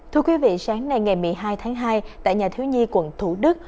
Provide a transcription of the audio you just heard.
thưa quý vị sáng nay ngày một mươi hai tháng hai tại nhà thiếu nhi quận thủ đức